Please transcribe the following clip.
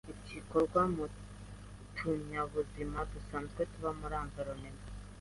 Ati: "Ni imiti yitwa Bacillus ikorwa mu tunyabuzima dusanzwe tuba muri 'environement'